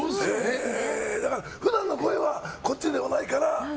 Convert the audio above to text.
だから、普段の声はこっちではないから。